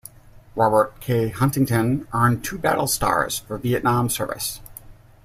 "Robert K. Huntington" earned two battle stars for Vietnam service.